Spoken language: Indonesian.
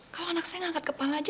kalau anak saya ngangkat kepala aja